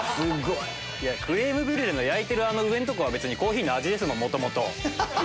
クレームブリュレの焼いてる上のとこはコーヒーの味ですもん元々。